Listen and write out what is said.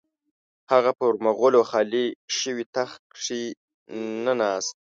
هغه پر مغولو خالي شوي تخت کښې نه ناست.